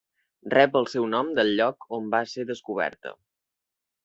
Rep el seu nom del lloc on va ser descoberta.